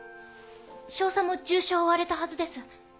少佐も重傷を負われたはずです。